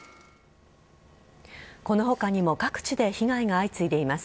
この他にも各地で被害が相次いでいます。